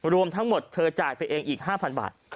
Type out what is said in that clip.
รวมทั้งหมดเธอจ่ายไปเองอีก๕๐๐บาท